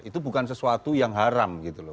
itu bukan sesuatu yang haram gitu loh